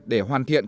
để hoàn thiện